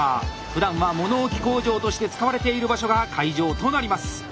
ふだんは物置工場として使われている場所が会場となります。